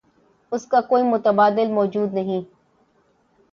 اس کا کوئی متبادل موجود نہیں۔